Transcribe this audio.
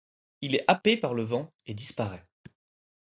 Il est happé par le vent et disparaît.